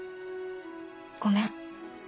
「ごめん」